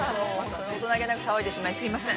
大人げなく騒いでしまいすいません。